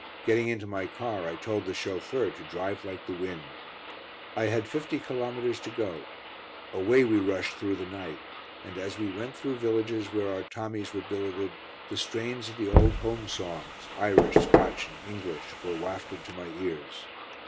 Getting into my car, I told the chauffeur to drive like the wind. I had fifty kilometres to go. Away we rushed through the night, and as we went through villages where our Tommies were billeted, the strains of the old home songs Irish, Scotch and English were wafted to my ears.